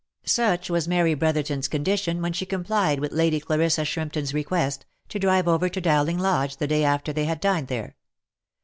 Such was Mary Brotherton's condition when she complied with Lady Clarissa Shrimpton's request, to drive over to Dowling Lodge the day after they had dined there.